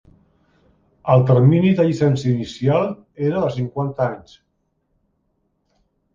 El termini de llicència inicial era de cinquanta anys.